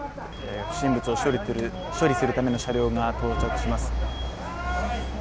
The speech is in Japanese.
不審物を処理するための車両が到着します。